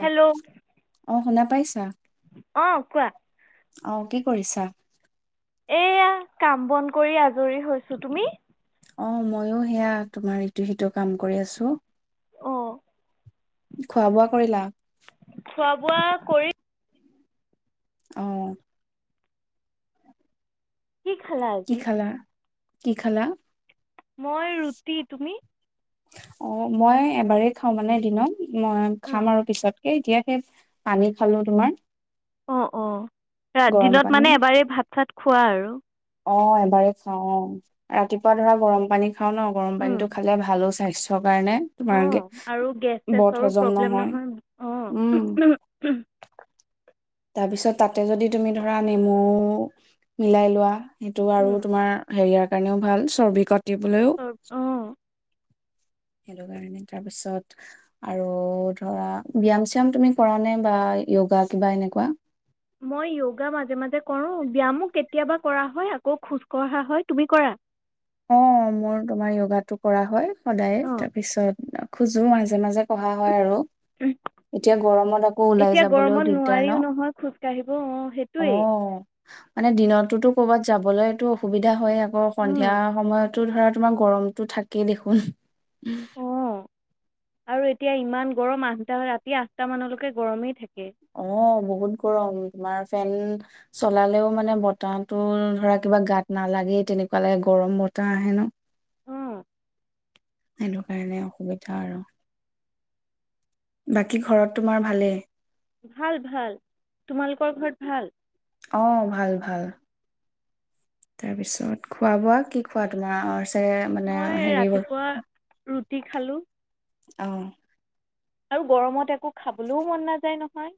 Hello. অ শুনা পাইছা। অ', কোৱা। অ', কি কৰিছা। এয়া, কাম-বন কৰি আজৰি হৈছো, তুমি। অ', ম‌য়ো সেয়া, তোমাৰ ইটো-সিটো কাম কৰি আছো। অ' খোৱা-বোৱা কৰিলা? খোৱা-বোৱা কৰি অ' কি খালা কি আজি? খালা কি খালা? মই ৰুটি, তুমি? অ', মই এবাৰেই খাওঁ মানে দিনত মই অঁ খাম আৰু পিছত। এ-এতিয়াকে পানী খালো তোমাৰ অ', অ', গৰম ৰা-দিনত পানী মানে এবাৰেই ভাত-চাত খোৱা আৰু। অ', এবাৰে খাওঁ। অ', ৰাতিপুৱা ধৰা গৰম পানী খাওঁ ন', গৰম পানীটো খালে ভালো স্বাস্থ্যক অঁ, আৰু গেছ বদ চেচছৰো হজম প্ৰব্লেম নহয় উম অঁ তাৰপিছত তাতে যদি তুমি ধৰা নেমু মিলাই লোৱা। ইটো আৰু তোমাৰ হেৰিয়াৰ কাৰনেও ভাল চবিখত তিবলৈও অঁ সেইটো কাৰণে তাৰপিছত আৰু ধৰা ব্যায়াম চ্যায়াম তুমি কৰা নে বা য়োগা কিবা এনেকুৱা? মই য়োগা মাজে মাজে কৰোঁ ব্যায়ামো কেতিয়াবা কৰা হয় আকৌ খোজ কঢ়া হয় তুমি কৰা? অঁ মোৰ তোমাৰ য়োগাটো কৰা হয় সদায়, অঁ তাৰপিছত খোজো মাজে মাজে কঢ়া হয় আৰু। এতিয়া গৰমত আকৌ ওলাই এতিয়া যাবলৈও গৰমত দিগদাৰ নোৱাৰিও ন, নহয় খোজ কাঢ়িব অঁ সেইটোৱেই অঁ মানে দিনত তোৰটো ক'ৰবাত যাবলৈটো সুবিধা হয়। অ উম সন্বীয়া সময়টো ধৰা তোমাৰ গৰমতটো থাকেই দেখোন। অ আৰু এতিয়া ইমান গৰম আঠটা ৰাতি আঠটা মানলৈকে গৰমেই থাকে। অঁ, বহুত গৰম তোমাৰ ফেন চলালেও মানে বতাহটো ধৰা কিবা গাত নালাগেই তেনেকুৱা লাগে গৰম বতাহ আহে ন? অঁ সেইটো কাৰণে অসুবিধা আৰু বাকী ঘৰত তোমাৰ ভালেই? ভাল ভাল তোমালোকৰ ঘৰত ভাল? অ', ভাল ভাল তাৰপিছত খোৱা বোৱা কি খোৱা তোমাৰ সেয়া মানে হেৰি হল। কি খালো আহ আৰু গৰমত একো খাবলৈও মন নাযায় নহয়,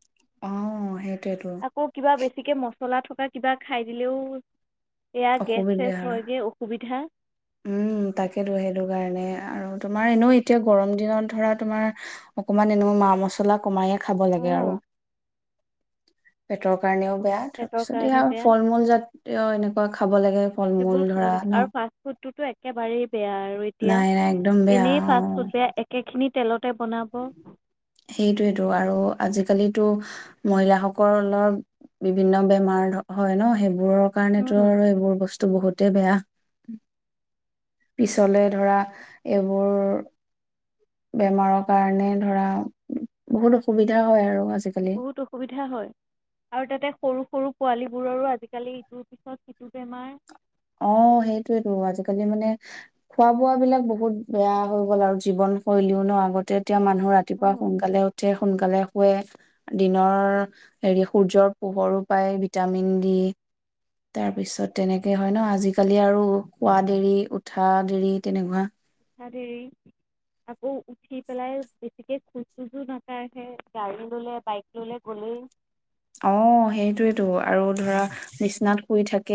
অ', সেইটোয়েতো আকৌ কিবা বেছি বেছিকে মছলা থকা কিবা খাই দিলেও এয়া গেছ চেছ অসুবিধা হয়গৈ অসুবিধা উম তাকেইেটো সেইটো কাৰণে আৰু তোমাৰ এনেও এতিয়া গৰম দিনত ধৰা তোমাৰ অকমান এনে মা মছলা কমায়ে খাব লাগে আৰু অঁ পেটৰ কাৰণেও বেয়া পেটৰ তাৰপিছত এয়া কাৰণে আও বেয়া ফল মূল জাতিয় এনেকুৱা খাব লাগে ফল মূল ধৰা ন। তোটো একেবাৰেই বেয়া আৰু এতিয়া, নাই নাই একদম বেয়া এনেই অ ফাষ্ট ফুড বেয়া একেখিনিত তেলতে বনাব সেইটোয়েটো আৰু আজিকালিটো মহিলা সকলৰ বিভিন্ন বেমাৰ হয় ন সেইবোৰৰ কাৰণেটো উম, আৰু এইবোৰ বস্তু টো বহুতে বেয়া পিছলে ধৰা এইবোৰ বেমাৰৰ কাৰণে ধৰা বহুত অসুবিধা হয় আৰু আজি বহুত অসুবিধা হয় আৰু তাতে সৰু সৰু পোৱালী বোৰৰো আজিকালি, ইটোৰ পিছত সিটো বেমাৰ অ সেইটোয়েতো আজিকালি মানে খোৱা বোৱা বিলাক বহুত বেয়া হৈ গ'ল আৰু জীৱনশৈলীও ন আগতে এতিয়া মানুহ ৰাতিপুৱা উঠাত সোনকালে উঠে সোনকালে শে দিনৰ হেৰি সূৰ্যৰ পোহৰো পাই ভিটামিন দি তাৰ পিছত তেনেকে হয় ন আজিকালি আৰু শুৱা দেৰি উঠা দেৰি তেনেকুৱা উঠা দেৰি, আকৌ উঠি পেলাই বেছিকে খোজ চোজ ও নাকাহে। গাড়ী ললে বাইক ললে গ'লেই অ হেইটোয়েইতো আৰু ধৰা বিচনাত শুই থাকে,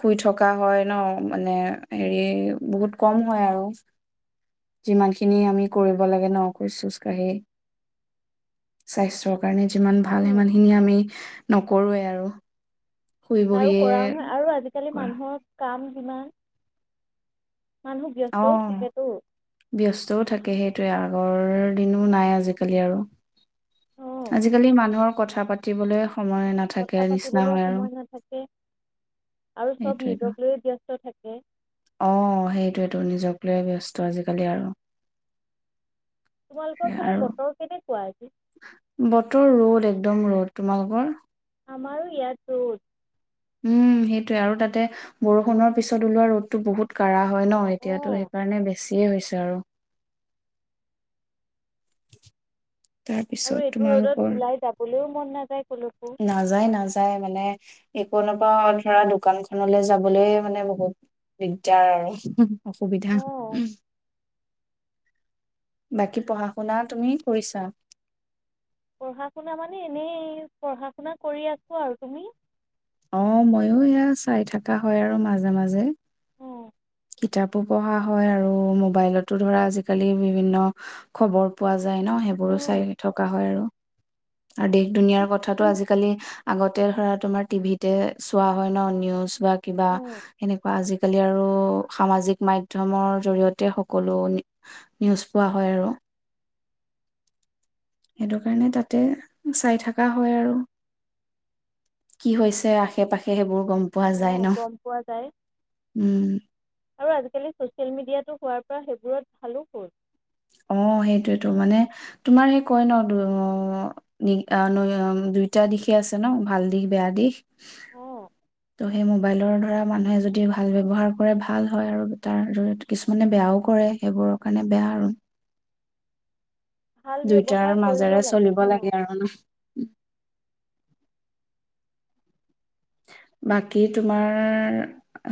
শুই থকা হয় ন মানে হেৰি বহুত কম হয় আৰু যিমান খিনি আমি কৰিব লাগে ন খোজ খোজ কঢ়ি, স্বাস্থ্য কাৰণে যিমান ভাল উম, ইমান আমি নকৰোৱে আৰু শুই আৰু বহিয়ে কৰাও নহয় আৰু আজিকালি কৰা মানুহৰ কাম কিমান অ ব্যস্তও থাকে সেইটোয়ে আৰু আগৰ দিনো নাই আজিকালি আৰু অঁ আজিকালি মানুহৰ কথা পাতিবলে কথা পাতিবলৈ সময় নাথাকে আৰু চব সেইটোৱেতো নিজক লৈয়ে ব্যস্ত থাকে কে অ সেইটোয়েইটো নিজক লৈয়ে ব্যস্ত আজিকালি তোমালোকৰ আৰু ফালে আৰু বতৰ কেনেকুৱা আজি বতৰ ৰ'দ, একদম ৰ'দ তোমালোকৰ? আমাৰ ইয়াত ৰদ উম সেইটোৱে আৰু তাতে বৰষুণৰ পিছত ওলোৱা ৰ'দটো বহুত কাঢ়া হয় ন, এতিয়াতো অঁ সেইকাৰণে বেছিয়ে হৈছে আৰু [inaudible] আৰু এইটো তোমালোকৰ ৰ'দত ওলাই যাবলৈও মন নাযায় ক'লৈকো নাযায় নাযায় মানে এইকনৰ পৰা ধৰা দোকানখনলৈ যাবলৈ মানে বহুত দিগদাৰ আৰু অসুবিধা। অঁ বাকী পঢ়া শুনা তুমি কৰিছা? পঢ়া শুনা মানে এনেই পঢ়া শুনা কৰি আছো আৰু তুমি অ ময়ো এয়া চাই থকা হয় আৰু মাজে মাজে উম কিতাপো পঢ়া হয় আৰু মোবাইলতো ধৰা আজিকালি বিভিন্ন খবৰ পোৱা যায় ন সেইবোৰো চাই উম থকা হয় আৰু আৰু দেশ দুনিয়াৰ কথাাটো আজিকালি আগতে ধৰা তোমাৰ টিভিতে চোৱা হয় ন নিউজ বা কিবা এনেকোৱা আজিকালি আৰু সামাজিক মাধ্যমৰ জৰিয়তে সকলো নিউজ পোৱা হয় আৰু সেইটো কাৰণে তাতে চাই থকা হয় আৰু কি হৈছে আশে পাশে সেইবোৰ গম পোৱা অ যায় ন গম পোৱা যায় উম আৰু আজিকালি চচিয়েল মিডিয়টো হোৱাৰ পৰা সেই অ সেইটোয়েতো, মানে তোমাৰ সেই কয় ন। দুইটা দিশে আছে ন, ভাল দিশ বেয়া দিশ অঁ ত' সেই মোবাইলৰ ধৰা মানুহে যদি ভাল ব্যৱহাৰ কৰে ভাল হয় আৰু তাৰ কিছুমানে বেয়াও কৰে সেইবোৰৰ কাৰণে বেয়া আৰু ভাল দুইটাৰ ব্যৱহাৰ কৰিব মাজেৰে চলিব অঁ লাগে আৰু ন বাকী তোমাৰ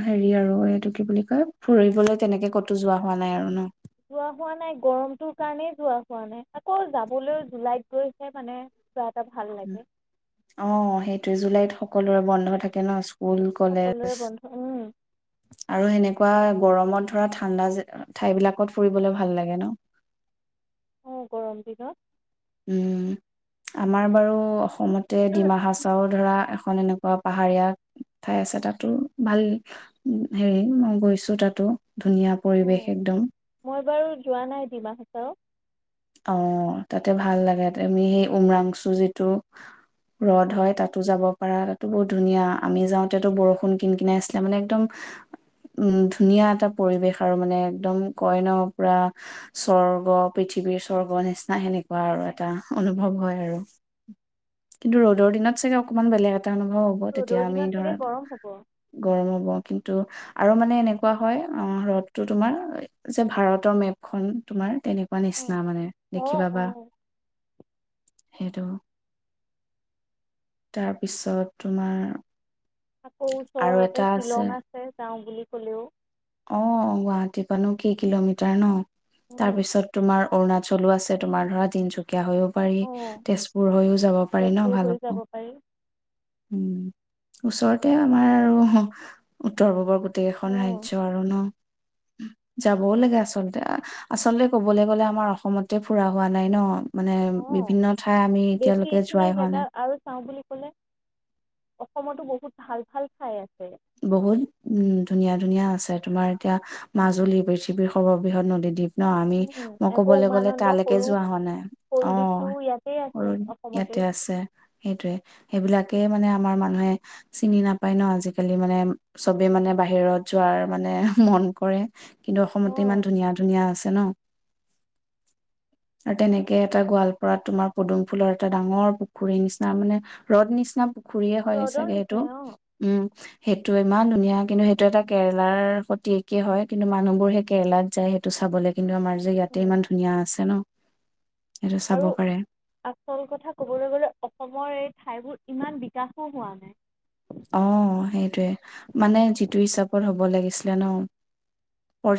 হেৰি আৰু এইটো কি বুলি কয় ফুৰিবলৈ তেনেকে কতো যোৱা হোৱা নাই আৰু ন যোৱা হোৱা নাই গৰমটোৰ কাৰণেই যোৱা হোৱা নাই আকৌ যাবলৈও জুলাইত গৈছে মানে কিবা এটা ভাল লাগে অ সেইটোৱেই জুলাইত সকলোৰে বন্ধ থাকে টেনৰ স্কুল সকলোৰে কলেজ বন্ধ উম আৰু সেনেকোৱা গৰমত ধৰা ঠাণ্ডা জে ঠাইবিলাকত ফুৰিবলৈ ভাল লাগে ন অ গৰম দিনত উম আমাৰ বাৰু অসমতে ডিমাহাচাও ধৰা এখন এনেকোৱা পাহাৰীয়া ঠাই আছে তাতো ভাল হেৰি মই গৈছো তাতো ধুনীয়া পৰিৱেশ অঁ একদম মই বাৰু যোৱা নাই ডিমাহাছাও অ তাতে ভাল লাগে আমি সেই উমৰাংচু যিটো ৰদ অঁ হয় তাতো যাব পাৰা তাতো বহুত ধুনীয়া আমি যাওঁতোতো বৰষুণ কিন কিন আছিলে মানে একদম উম ধুনীয়া এটা পৰিৱেশ আৰু মানে একদম কয় ন পুৰা স্বৰ্গ পৃথিৱীৰ স্বৰ্গ নিচিনা সেনেকুৱা আৰু এটা অনুভৱ হয় আৰু কিন্তু ৰ'দৰ দিনত চাগে অকণমান বেলেগ এটা তিতা মানুহ হ'ব তেতিয়া ৰ'দৰ আমি দিনত চাগে ধৰা গৰম হ'ব গৰম হ'ব কিন্তু আৰু মানে এনেকুৱা হয় ৰ্ৰদটো তোমাৰ যে ভাৰতৰ মেপখন তোমাৰ তেনেকুৱ না অঁ মানে অঁ দেখিবা বা অঁ সেইটো তাৰপিছত তোমাৰ আকৌ আৰু ওচৰতে এটা শ্বিলং আছে যাওওঁ বুলি ক'লেও অ গুৱাহাটী পানো কি কিলোমিটাৰ ন উম। তাৰপিছত তোমাৰ অৰুণাচলো আছে তোমাৰ ধৰা তিচুকীয়া কীয়া হৈও পাৰি অ তেজপুৰ হৈও যাব পাৰি ন তেজপুৰ হৈ ভালুকপুং যাব পাৰি। উম ওচৰতে আমাৰ আৰু উত্তৰ পূৱৰ গোটেইকখন ৰাজ্য় অ', যাবও লাগে আচলতে আচলতে কবলৈ গ'লে আমাৰ অসমতে ফুৰা হোৱা নাই ন মানে অ বিভিন্ন ঠাই আমি বেছি এতিয়ালৈকে এইখিনি যোৱাই হোৱা জেগা নাই আৰু চাওঁ বুলি ক'লে অসমতো বহুত ভাল ভাল খাই আছে বহুত উম ধুনীয়া ধুনীয়া আছে তোমাৰ এতিয়া মাজুলী পৃথিৱীৰ সৰ্ববৃহৎ নদীদ্বীপ ন আমি উম, মই আকৌ ক'বলৈ গ'লে উমানন্দ তালৈকে সৰু যোৱা হোৱা নাই সৰু অ দ্বীপটো ইয়াতে আছে সৰু অসমতে। ইয়াতে আছে সেইটয়ে সেইবিলাক তাকে মানে আমাৰ মানুহে চিনি নাপায় ন আজিালি মানে চবে মানে বাহিৰত যোৱাৰ মানে মন কৰে কিন্তু অ অসমতে ইমান ধুনীয়া ধুনীয়া আছে ন আৰু তেনেকে এটা গোৱালপাৰাত তোমাৰ পদুম ফুলৰ এটা ডাঙৰ পুখুৰীৰ নিচিনা মানে ৰদ নিচিনা পু খুৰীয়ে হয় হ্ৰদৰ চাগে সেইটো নিচিনাই অ', উম সেইটো ইমান ধুনীয়া কিন্তু সেইটো এটা কেৰেলাৰ সতি একে হয় কিন্তু মানুহবোৰ সেই কেৰেলাত যায় সেইটো চাবলে কিন্তু আমাৰ যে ইয়াতে উম, ইমান ধুনীয়া আছে ন সেইটো চাব আৰু পাৰে আচল কথা ক'বলৈ গলে অসমৰ এই ঠাইবোৰ ইমান বিকাশো হোৱা নাই অ সেইটোৱে মানে যিটো হিচাপত হ'ব ল ন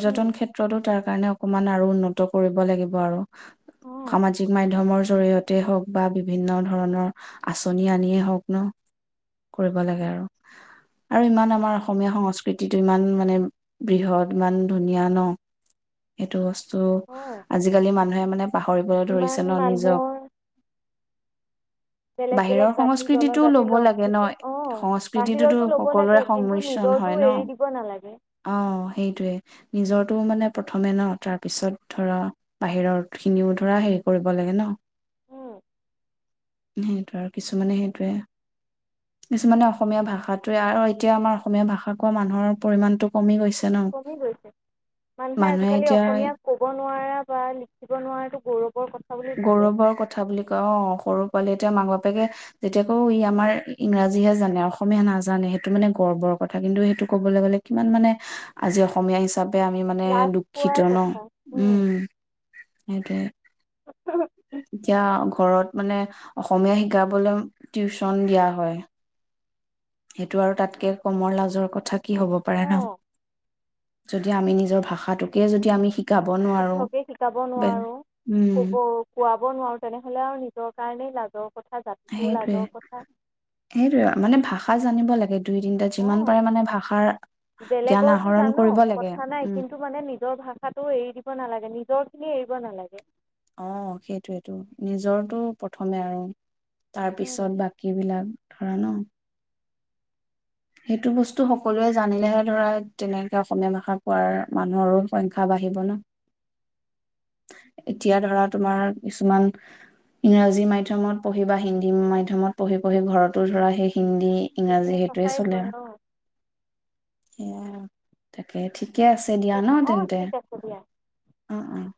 উম, ক্ষেত্ৰতো তাৰ কাৰণে অকমান আৰু উন্নত কৰিব লাগিব আৰু অ', সামাজিক মাধ্যমৰ জৰিয়তে হওক বা বিভিন্ন ধৰণৰ আচনি আনিয়ে হওক ন লাগে আৰু আৰু ইমান আমাৰ অসমীয়া সংস্কৃতিটো ইমান মানে বৃহৎ ইমান ধুনীয়া ন এইটো বস্তু [inaudible] অ', চ' আজিকালি মানুহে মানে পাহৰিবলৈ ইমান ধৰিছে ন নিজক মানুহৰ বেলেগ বাহিৰৰ বেলেগ জাতি সংস্কৃতিটো জনজাতি লব লগ লাগে ন অ' সংস্কৃতিটোতো বাহিৰৰতো ল'ব লাগে সকলোৰে কিন্তু সংমিশ্ৰণ নিজৰটো হয় ন এৰি দিব নালাগে। অ সেইটোৱে নিজৰ টো মানে প্ৰথমে ন তাৰ পিছত ধৰা বাহিৰত খিনিও ধৰা হেৰি কৰিব লাগে ন উম, সেইটো আৰু কিছুমানে সেইটোৱে কিছুমানে অসমীয়া ভাষাটোোৱে আৰু এতিয়া আমাৰ অসমীয়া ভাষা কোৱা মানুহৰ পৰিমান টো কমি গৈছে। ন কমি গৈছে মানুহে আজিকালি অসমীয়া ক'ব নোৱাৰা বা লিখিব নোৱাৰাটো গৌৰৱৰ কথা। বুলি ভাবে। গৌৰৱৰ কথা বুলি ক অ সৰু পোৱালি এতিয়া মাক বাপে সাপেকে যেতিয়া কও ই আমাৰ ইংৰাজীহে জানে অসমীয়া নাজানে সেইটো মানে গৰ্বৰ কথা কিন্তু সেইটো কবলৈ গ'লে কিমান মানে আজি অসমীয়া হিচাপ হিচাপে আমি মানে লাজ পোৱাৰ দুখিত ন কথা, উম সেইটোৱে কিয় [unintelligible] ঘৰত মানে অসমীয়া শিকাবলৈ টিউচন দিয়া হয় সেইটো আৰু তাতকে কমৰ লাজৰ কথা কি হব পাৰে ন অ' যদি আমি নিজৰ ভাষাটোকে যদি আমি শি শুদ্ধকে শিকাব নোৱাৰো উম কব কোৱা ল'ব নোৱাৰোঁ তেনেহ'লে আৰু নিজৰ কাৰণেই লাজৰ কথা জাতিটোৰ সেইটোৱে লাজৰ কথা। সেইটোয়ে মানে ভাষা জানিব লাগে দুই তিনিটা যিমান অ' পাৰে মানে ভাষাৰ জ্ঞান বেলেগৰটো আহৰণ জান কৰিব লাগে কথা নাই উম কিন্তু মানে নিজৰ ভাষাটো এৰি দিব নালাগে নিজৰ খিনি এৰিব নালাগে। অ'হ সেইটোৱেইটো নিজৰটো প্ৰথমে আৰু তাৰ উম। পিছত বাকী বিলাক। ধৰা ন' সেইটো বস্তু সকলোৱে জানিলেহে ধৰা তেনেকে অসমীয়া ভাষা কোৱাৰ মানুহৰো সংখ্যা বাঢ়িব ন। এতিয়া ধৰা তোমাৰ কিছুমান ইংৰাজী মাধ্যমত পঢ়ি বা হিন্দী মাধ্য়মত পঢ়ি পঢ়ি ঘৰতো ধৰা সেই হিন্দী ইংৰাজী সেইখিনি প্ৰচাৰেই চলে কৰে অ' আৰু অ' তাকে ঠিক ঠিকে আছে দিয়া তাকে- ন অ' তেন্তে ঠিক আছে দিয়া অ' অ'